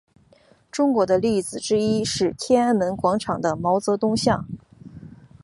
中国的例子之一是天安门广场的毛泽东像。